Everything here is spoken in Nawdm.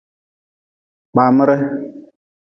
Kpamere.